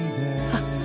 あっ。